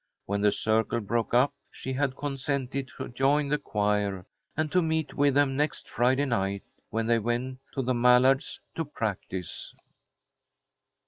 When the circle broke up she had consented to join the choir, and to meet with them the next Friday night, when they went to the Mallards' to practise.